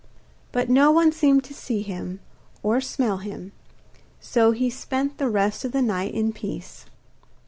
But no one seemed to see him or smell him; so he spend the rest of the night in peace.